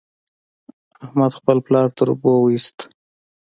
احمد خپل پلار تر اوبو وېست.